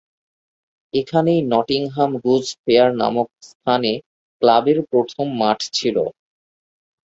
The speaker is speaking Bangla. এখানেই নটিংহ্যাম গুজ ফেয়ার নামক স্থানে ক্লাবের প্রথম মাঠ ছিল।